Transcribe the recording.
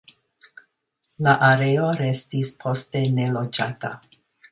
La areo restis poste neloĝata.